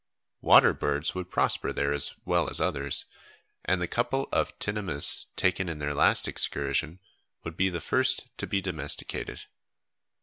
Water birds would prosper there as well as others, and the couple of tinamous taken in their last excursion would be the first to be domesticated.